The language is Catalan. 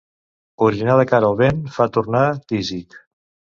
Orinar de cara al vent fa tornar tísic.